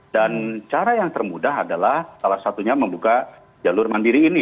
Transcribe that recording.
dan cara yang termudah adalah salah satunya membuka jalur mandiri ini